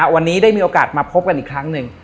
วันนี้ได้มีโอกาสมาพบกันอีกครั้งหนึ่ง